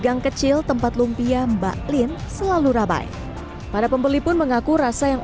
gang kecil tempat lumpia mbak lin selalu ramai para pembeli pun mengaku rasa yang